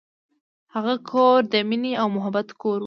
هغه کور د مینې او محبت کور و.